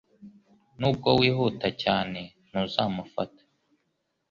Nubwo wihuta cyane, ntuzamufata.